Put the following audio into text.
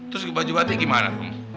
terus baju batik gimana